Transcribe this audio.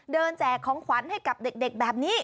แจกของขวัญให้กับเด็กแบบนี้